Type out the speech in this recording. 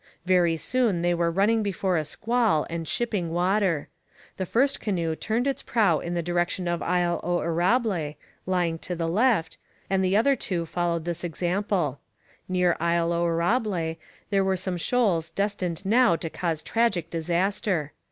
Very soon they were running before a squall and shipping water. The first canoe turned its prow in the direction of Isle aux Erables, lying to the left, and the other two followed this example. Near Isle aux Erables there were some shoals destined now to cause tragic disaster.